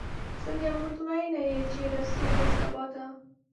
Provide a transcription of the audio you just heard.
څنګه مطمئنه یې چې رسو به سباته؟